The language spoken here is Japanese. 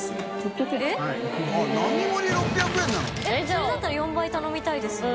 それだったら４倍頼みたいですよね。